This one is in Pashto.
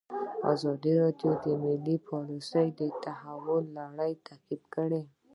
ازادي راډیو د مالي پالیسي د تحول لړۍ تعقیب کړې.